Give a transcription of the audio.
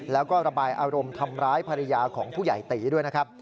แล้วก็ระบายอารมณ์ทำร้ายภรรยาของผู้ใหญ่ตีด้วยนะครับ